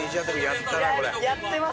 やってますね。